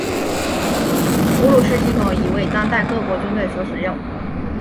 普鲁士系统已为当代各国军队所使用。